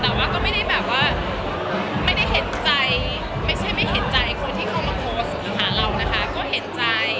แต่ว่าก็ไม่ได้แบบว่าไม่ได้เห็นใจไม่ใช่ไม่เห็นใจคนที่เขามาโพสต์หาเรานะคะก็เห็นใจ